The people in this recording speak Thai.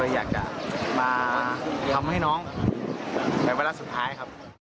อยากจะมาทำให้น้องในเวลาสุดท้ายครับ